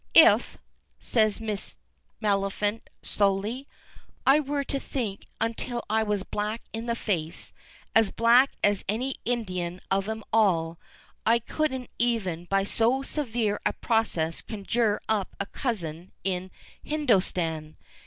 "If," says Miss Maliphant, slowly, "I were to think until I was black in the face, as black as any Indian of 'em all, I couldn't even by so severe a process conjure up a cousin in Hindostan!